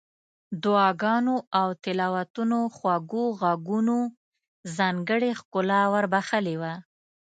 دعاګانو او تلاوتونو خوږو غږونو ځانګړې ښکلا ور بخښلې وه.